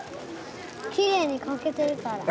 きれいに描けてるから。